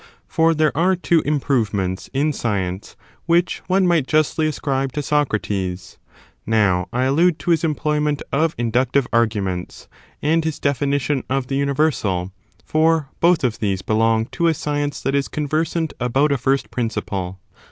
For there are two im provements in science which one might justly ascribe to Socrates ; now, I allude to his employment of inductive argu ments, and his definition of the universal : for both of these belong, to a science that is conversant about a first principle.